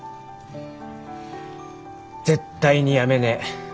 絶対に辞めねえ。